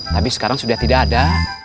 tapi sekarang sudah tidak ada